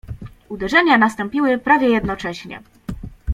"Uderzenia nastąpiły prawie jednocześnie."